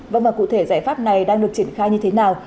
vâng và cụ thể giải pháp này đang được triển khai như thế nào